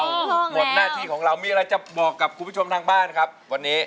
หมดหน้าที่ของเรามีอะไรจะบอกกับคุณผู้ชมทางบ้านครับวันนี้